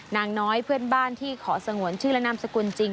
นางน้อยเพื่อนบ้านที่ขอสงวนชื่อและนามสกุลจริง